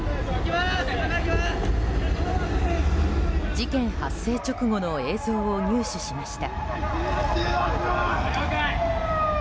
事件発生直後の映像を入手しました。